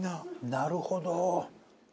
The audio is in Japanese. なるほど。